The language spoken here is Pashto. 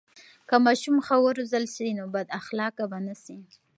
که ماشوم ښه و روزل سي، نو بد اخلاقه به نه سي.